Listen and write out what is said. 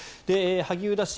萩生田氏